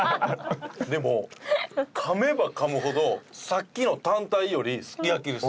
でも噛めば噛むほどさっきの単体よりすき焼きです。